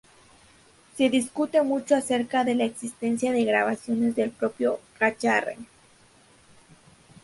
Se discute mucho acerca de la existencia de grabaciones del propio Gayarre.